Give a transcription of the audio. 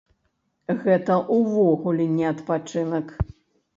Гэта ўвогуле не адпачынак.